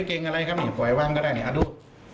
เอาเลยครับดู